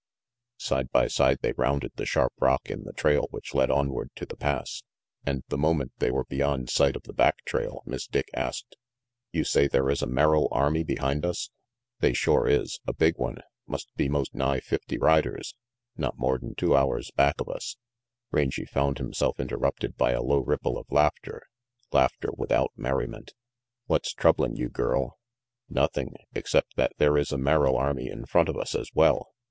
Side by side they rounded the sharp rock in the trail which led onward to the Pass, and the moment they were beyond sight of the back trail, Miss Dick asked: "You say there is a Merrill army behind us?" "They shore is. A big one. Must be most nigh fifty riders, not more'n two hours back of us Rangy found himself interrupted by a low ripple of laughter, laughter without merriment. "What's troublin' you, girl?" "Nothing, except that there is a Merrill army in front of us as well.